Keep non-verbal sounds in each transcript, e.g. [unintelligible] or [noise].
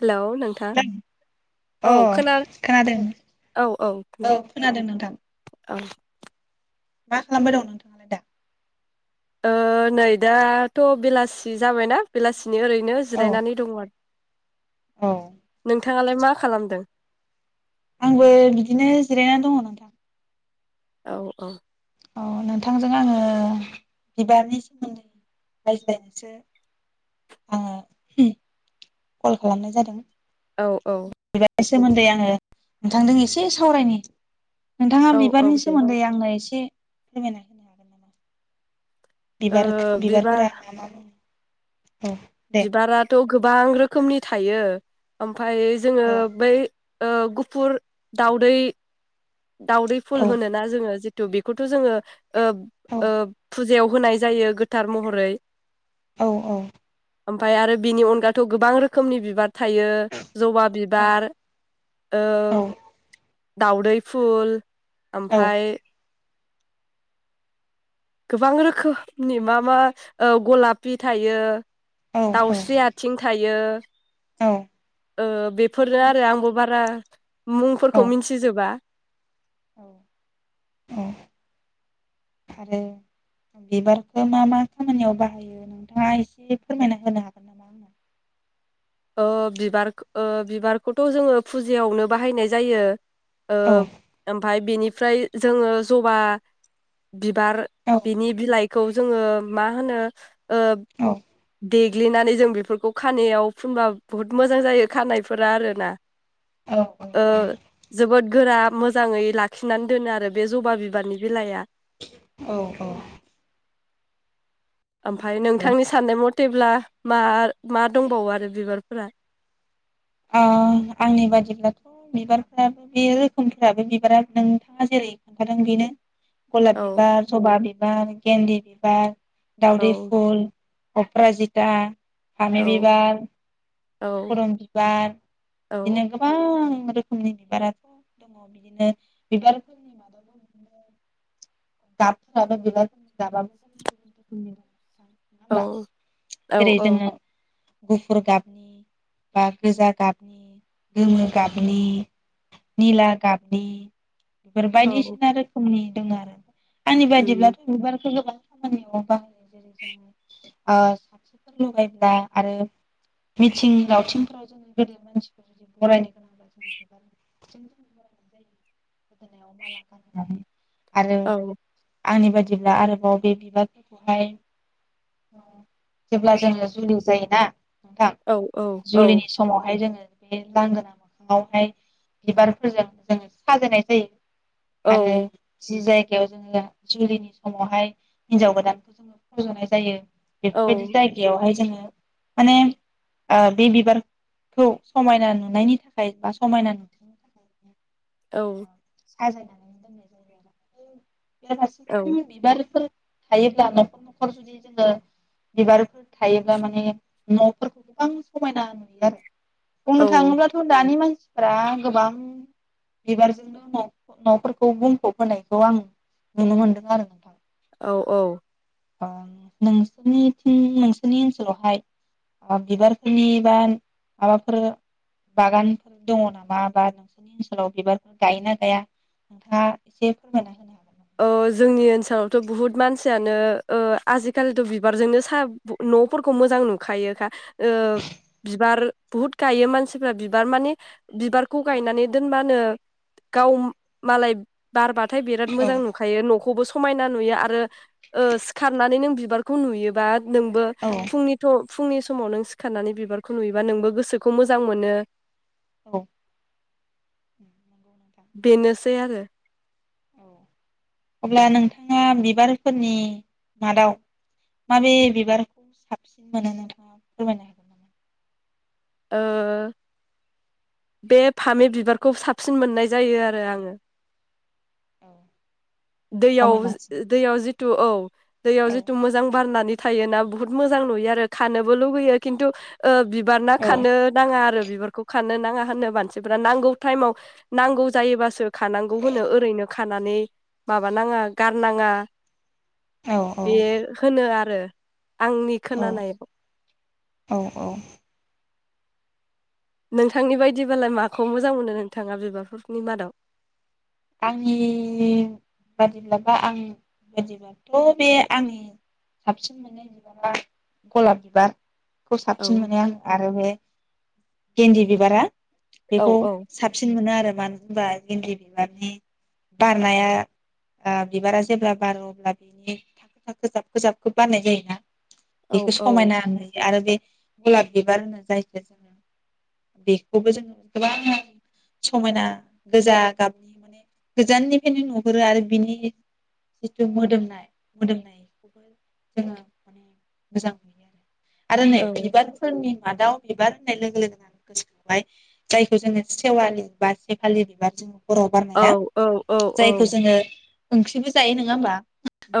Hello नोंथां औ अ खोनादों औ औ खोन खोनादों नोंथां औ मा खालामबाय दं [inaudible] ओ नै दाथ' बेलासि जाबायना बेलासि बिनो ओरैनो जिरायनानै दङ आरो अ नोंथाङालाय मा खालामदों आंबो बिदिनो जिरायनानै दङ नोंथां औ औ औ नोंथांजों आङो बिबारनि सोमोन्दै रायज्लायनोसो आङो कल खालामनाय जादों औ औ बे सोमोन्दै आङो नोंथांदों एसे सावरायनि नोंथाङा औ औ बिबारनि दे सोमोन्दै आंनो एसे [unintelligible] ओ बिबार बिबार बिबारफोरा मा मा [inaudible] औ दे बिबाराथ' गोबां रोखोमनि थायो ओमफाय जोङो औ बै ओ गुफुर दाउदै दावदै फुल औ होनोना जोङो थ बेखौथ' जोङो औ ओ फुजायाव होनाय जायो गोथार महरै औ औ ओमफाय आरो बिनि अनगाथ' गोबां रोखोमनि बिबार थायो जबा बिबार औ दावदै फुल औ ओमफाय गोबां रोखोमनि मा मा गलाफि थायो औ दाउस्रि आथिं था औ बियो बेफोरनो औ आरो आंबो बारा मुंफोरखौ मिथिजोबा औ औ आरो बिबारखौ मा मा खामानियाव बाहायो नोंथाङा एसे फोरमायना होनो हागोन नामा आंनो ओ बिबार बिबारखौथ' जोङो फुजायावनो बाहायनाय जायो ओ औ ओमफ्राय बेनिफ्राय जोङो जबा बिबार औ बिनि बिलाइ खौ जोङो मा होनो ओ औ देग्लिनानै जों बेफोरखौ खानायाव फुनबा बुहुत मोजां जायो खानायफोरा आरोना औ ओ जोबोद गोरा मोजाङै लाखिनानै दोनो आरो बे जबा बिबारनि बिलाइआ औ औ नंगौ ओमफ्राय नंगौ नोंथांनि साननाय मथे थेब्ला मा मा दंबावो आरो बिबारफोरा ओ आंनि बादिब्लाथ' बिबारफ्राबो बे रोखोमफ्राबो बिबारा नोंथाङा जेरै खोन्थादों बेनो गलाप औ बिबार जबा बि बिबार गेनदि बिबार औ दावदै फुल अप्राजिता औ फामि बिबार औ [unintelligible] औ बिदिनो गोबां गोबां रोखोमनि बिबाराथ' दङ बिदिनो बिबारफोरनि मादावबो बिदिनो [unintelligible] औ औ जेरै औ जोङो गुफुर गाबनि बा गोजा गाबनि गोमो गाबनि निला गाबनि बेफोर औ बायदिसिना रोखोमनि दं आरो आंनि उम बायदिब्लाथ' बिबारखौ गोबां खामामिआव बाहायो जेरै जोङो ओ [unintelligible] लगायब्ला आरो मिथिं दावथिंफोराव जोङो गेदेर मानसिफोर जुदि [unintelligible] बरायनो गोनांब्ला जों [unintelligible] बिबारजों बरायो गोदोनायाव माला गानहोनानै आरो औ आंनि बायदिब्ला आरोबाव बे बिबारफोरखौहाय जेब्ला जोङो जुलि जायो [unintelligible] नोंथां औ औ औ जुलिनि समावहाय जोङो बे लांगोना मोखाङावहाय बिबारफोरजों जोङो साजायनायखौ दै औ आरो जि जाय गायाव जोङो जुलिनि समावहाय हिन्जाव गोदानखौ जोङो फज'नाय जायो। औ बेफोरबायदि जायगायावहाय जोङो माने ओ बे बिबारखौ समायना नुनायनि थाखाय बा समायना नुनो थाखाय औ ओ साजायनानै बेरा औ फारसेथिं बिबारफोर थायोब्ला नखर नखर जुदि जोङो बिबारफोर थायोब्ला माने न'फोरखौ गोबां समायना नुयो आरो बुंनो औ थाङोब्लाथ' दानि मान सिफोरा गोबां बिबारजोंनो न'फोरखौ बुंफब होनायखौ आं नुनो मोनदों आरो नोंथां औ औ अ नोंसोरनिथिं नोंसोरनि ओनसोलावहाय बिबारफोरनि बा माबाफोर बागानफोर दङ नामा बा नोंसोरनि ओनसोलाव बिबारफोर गायो ना गाया नोंथाङा एसे फोरमायना होनो हागोन औ नामा? जोंनि ओनसोलावथ' बुहुत मानसियानो ओ आजिखालिथ बिबारजोंनो साह नफोरखौ मोजां नुखायोखा ओ बिबार बुहुद गायो मानसिफ्रा बिबार मान बिबारखौ गायनानै दोनबानो गाव मालाय बारबाथाय औ मोजां नुखायो नखौबो स समायना नुयो आरो ओ सिखारनानै नों बि बिबारखौ नुयोबा नोंबो औ फुंनिथ' फुंनि समाव नों सिखारनानै बिबारखौ नुयोबा नोंबो गोसोखौ मोजां मोनो औ बेनोसै आरो अब्ला नोंथाङा बिबारफोरनि मादाव माबे बिबारखौ साबसिन मोनो नोंथाङा फोरमायनो हागोन नामा ओ बे फामि बिबारखौ साबसिन मोननाय जायो आरो आङो औ [unintelligible] दैयाव समायनासिन दैयाव जि तु औ दैयाव औ जिथु मोजां बारनानै थायोना बुहुत मोजां नुयो आरो खानोबो लुुबैयो खिन्थु ओ बि बार ना औ खारनो नाङा आरो बिबारखौ खानो नाङा होननो मानसिफ नांगौ ताइमाव नांगौ जायोबासो खानांगौ होनो ओरैनो खानानै माबानाङा गारनाङा औ औ बे होनो आरो आंनि औ खोनानायाव औ औ नोंथांनि बायदिबालाय माखौ मोजां मोनो नोंथाङा बिबारफोरनि मादाव आंनि बादिब्लाबा आं बादिब्लाथ' बे आंनि साबसिन मोनै बिबारा [inaudible] गलाब [inaudible] बिबार खौ औ साबसिन मोनो आं आरो बे गिन्दि बिबारा औ बेखौ औ साबसिन मोनो आरो मानो होनबा इनद्रिन बिबारनि बारनाया ओ बिबारा जेब्ला बारो अब्ला बिनि थाखो थाखो जाबखो जाबखो बारनाय जायो ना औ बेखौ औ समायना नुयो आरो बे गलाब बिबार होनो जायखो बेखौबो जोङो गोबां समायना गोजा गाबनि माने गोजाननिफ्रायनो नुहुरो आरो बिनि जिथु मोदोमनाय मोदोमनायखौबो जोङो माने मोजां नुयो आरो औ आरो नै [unintelligible] मादाउ बिबार होननाय लोगो लोगोनो गोसोखां जायखौ जोङो सेवालि बा सेफालि बिबार हराव औ बारनाया औ जायखौ जोङो ओंख्रिबो जायो नङा होमबा?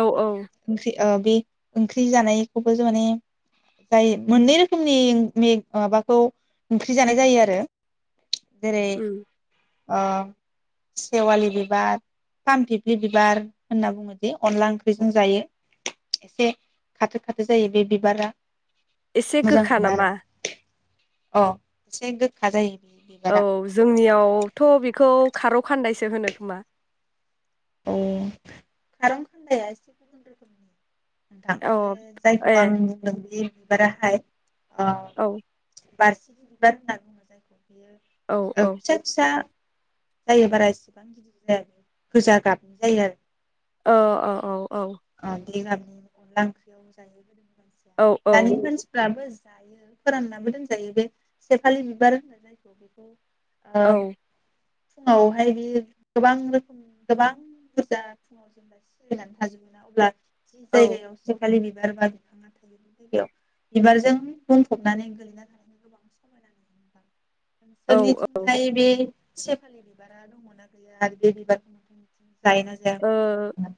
औ औ ओंख्रि ओ बे ओंख्रि जानायखौबो जों माने जाय मोननै रोखोमनि माबाखौ ओंख्रि जानाय जायो आरो जेरै उम अह सेवालि बिबार फान फिफ्लि बिबार होनना बुङोदि अनला ओंख्रिजों जायो एसे खाथो खाथो जायो बे बिबारा एसे मोजां गोखा मोना आरो नामा अ एसे गोखा जायो बे औ बिबारा जोंनियावथ' बेखौ खारौ खान्दायसो होनो खोमा अ खारौ खान्दाया नोंथां औ जायखौ आं ए बुंदों दि बारा हाय औ बारसि बिबार होनना बुङो औ औ ओ फिसा फिसा जायो बारा इसिबां [unintelligible] गोजा गाबनि जायो आरो अ अ औ औ बि गाबनि अनला ओंख्रियाव जायो औ दानि मानसिफ्राबो जायो फोराननाबो दोनजायो बे सेफालि बिबार औ [unintelligible] ओ [unintelligible] [unintelligible] जि औ जायगायाव सेफालि बि [unintelligible] बिबारजों बुंफबनानै गोलैना थानाय [unintelligible] ओ नोंसोरनिथिं जाय बे सेपालि बिबारा दंङना गैया आरो बे बिबारखौ जायो ना जाया फोरमायनो हागोन ना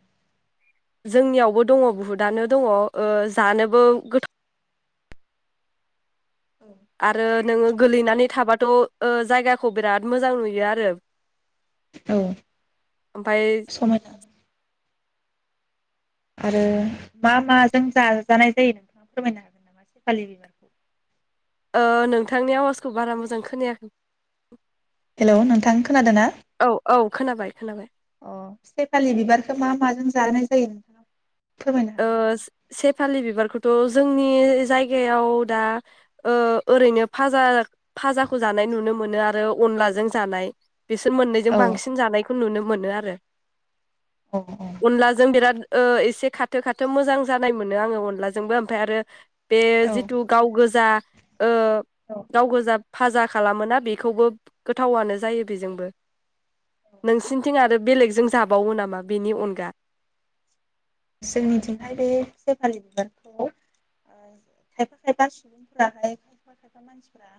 जोंनियावबो दङ बुहुतआनो दङ ओ जानोबो गोथाव आरो नोङो गोलैनानै थाबाथ' ओ जायगाखौ बिराद मोजां नुयो आरो औ ओमफाय समायना आरो मा माजों जाजानाय जायो नोंथाङा फोरमायनो हागोन नामा सेफालि बिबारखौ ओ नोंथांनि आवाजखौ बारा मोजां खोनायाखै हेलौ नोंथां खोनादों ना औ औ खोनाबाय खोनाबाय अ सेफालि बिबारखौ मा माजों जानाय जायो नोंथां ओ से से फालि बिबारखौथ' जोंनि जायगायाव दा ओ ओरैनो फाजा फाजाखौ जानाय नुनो मोनो आरो अनलाजों जानाय बिसोर मोन्नैजों औ बांसिन जानायखौ नुनो मोनो आरो औ अनलाजों बिराद ओ एसे खा खाथो खाथो मोजां जानाय मोनो आङो अनलाजोंबो ओमफ्राय आरो बे औ जिथु गाव गोजा ओ औ गाव गोजा फाजा खालामोना बेखौबो गोथावानो जायो बेजोंबो नोंसिनिथिं आरो बेलेगजों जाबावो नामा बेनि अनगा जोंनिथिंहाय बे सेपालि बिबारखौ ओ खायफा खायफा सुबुंफोराहाय खायफा खायफा मानसिफोरा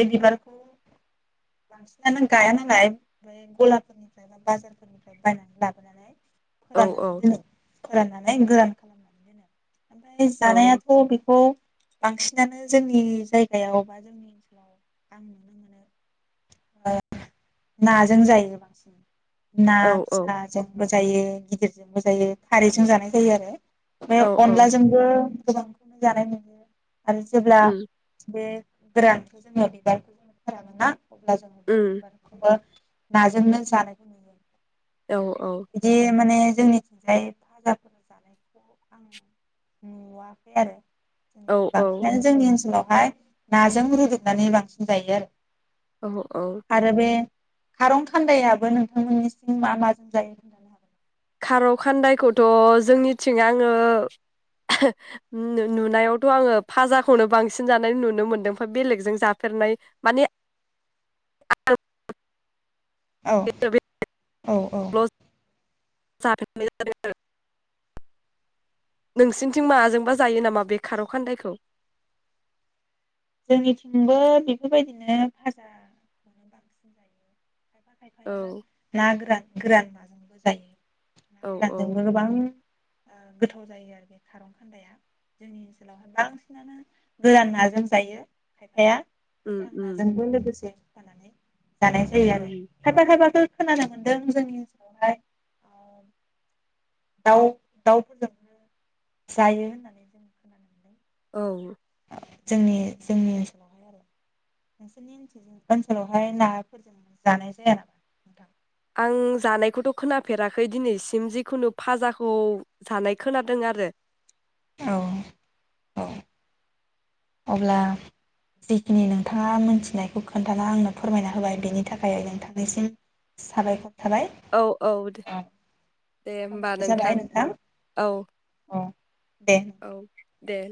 बे बिबारखौ बांसिनानो गाया नालाय ओमफाय गलाफोरनिफ्राय बा बाजारफोरनिफ्राय बायनानै लाबोनानै औ फोराननानै दोनो फोराननानै गोरान खालामनानै दोनो ओमफफ्राय औ जानायाथ' बेखौ बांसिनानो जोंनि जायगायाव बा जोंनि ओनसोलाव आं नुनो मोनो नाजों जायो बांसिन ना औ स औ ज [unintelligible] जायो गिदिरजों जायो खारैजों जानाय जायो आरो बे औ औ अनलाजोंबो गोबांखौनो जानाय मोयो आरो जेब्ला उम बे ग्रखौ जा [unintelligible] अब्ला जों बे उम बिबारखौबो नाजोंनो जानायखौ नुयो औ औ बिदि माने जोंनिथिंजाय भाजाफोर जानायखौ आं नुवाखै औ आरो औ बांसिनानो जोंनि ओनसोलाव माय नाजों रुदबनानै बांसिन जायो आरो औ औ आरो बे खारं खान्दायाबो नोंथांमोननिसिम मा माजों जायो खारौ खान्दायखौथ' जोंनिथिं आङो नुनायावथ' आङो फाजाखौनो बांसिन जानाय नुनो मोनदों ओमफ्राय बेलेगजों जाफेरनाय माने । [inaudible] औ औ औ जाफेरनाय जादों नोंसिनिथिं माजोंबा जायो नामा बे खारौ खान्दायखौ जोंनिथिंबो बेफोरबायदिनो फाजा खायफा औ खायफाया ना गोर गोरान नाजोंबो जायो न औ औ रजग बां [unintelligible] गोथाव जायो आरो बे खारं खान्दाया जोंनि ओनसोलावहाय बांसिनानो गोरान नाजों जायो खायफाया उम गोथां उम नाजोंबो लोगोसे नानै [unintelligible] जानाय जायो आरो उम खायफा खायफाब खोनानो मोन्दों जोंनि ओनसोलावहाय दाउ दाउफोरजों जायो होननानै औ जोंनि जोंनि ओनसोलावहाय आरो नोंसोरनि ओ ओनसोलावहाय नाफोरजों जानाय जाया नामा नोंथां [unintelligible] आं जानायखौथ' खोनाफेराखै दिनैसिम जिखुनु फाजाखौ जानाय खोनादों आरो औ औ अब्ला जिखिनि नोंथाङा मोनथिनायखौ खोन्थाना आंनो फोरमायना होबाय बेनि थाखाय नोंथांनिसिम साबायखर थाबाय औ औ द दे हबा समाबो नोंथां जाबाय औ अ दे नोंथां। औ दे